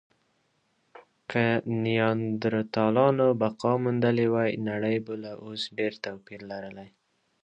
که نیاندرتالانو بقا موندلې وی، نړۍ به له اوس ډېر توپیر لرلی.